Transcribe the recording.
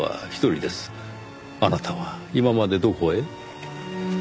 あなたは今までどこへ？